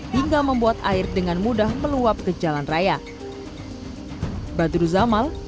hingga membuat air dengan mudah meluap ke jalan raya